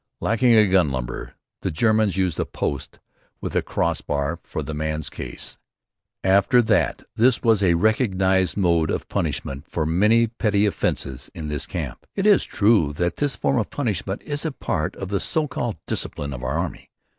Lacking a gun limber, the Germans used a post with a cross bar for this man's case. After that, this was a recognized mode of punishment for many petty offences in this camp. It is true that this form of punishment is a part of the so called discipline of our army.